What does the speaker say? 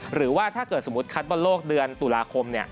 หรือว่าถ้าเกิดสมมุติคัดบอลโลกเดือนตุลาคม